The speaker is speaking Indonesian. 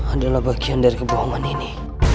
adalah bagian dari kebohongan ini